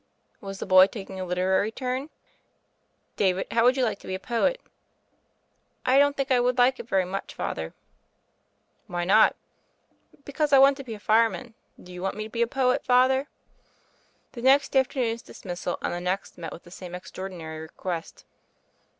Was the boy taking a literary turn ? "David, how would you like to be a poet?" "I don't think I would like it very much, Father." THE FAIRY OF THE SNOWS 123 "Why not?'* "Because I want to be a fireman. Do you want me to be a poet, Father?" The next afternoon's dismissal, and the next, met with the same extraordinary request.